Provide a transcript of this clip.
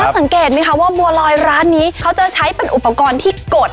สังเกตไหมคะว่าบัวลอยร้านนี้เขาจะใช้เป็นอุปกรณ์ที่กด